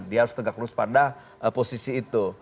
dia harus tegak lurus pada posisi itu